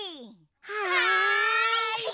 はい！